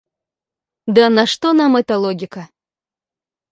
Да на что нам эта логика?